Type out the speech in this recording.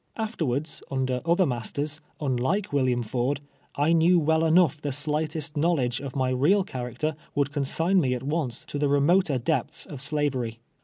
Afterwards, under other masters, un like William Ford, I knew well enough the slightest knowledge of my real character would consign me at once to the remoter depths of Slavery.